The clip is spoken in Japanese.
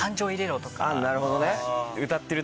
なるほどね。